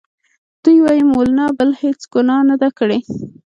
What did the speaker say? دوی وايي مولنا بله هیڅ ګناه نه ده کړې.